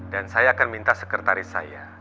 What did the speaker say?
dan saya akan minta sekretaris saya